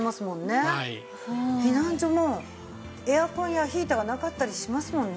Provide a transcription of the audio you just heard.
避難所もエアコンやヒーターがなかったりしますもんね。